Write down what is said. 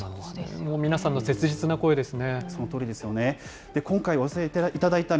もう皆さんの切実な声ですよね。